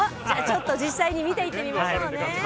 実際に見てみましょうね。